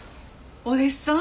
お弟子さん？